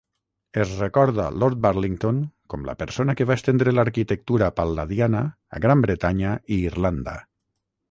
Es recorda Lord Burlington com la persona que va estendre l'arquitectura pal·ladiana a Gran Bretanya i Irlanda.